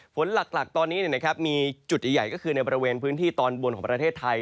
ฝนหลักตอนนี้มีจุดใหญ่ก็คือในบริเวณพื้นที่ตอนบนของประเทศไทย